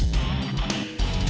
terima kasih chandra